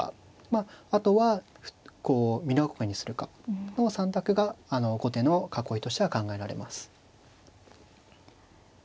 まああとは美濃囲いにするかの３択が後手の囲いとしては考えられます。